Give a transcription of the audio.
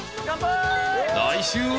［来週は］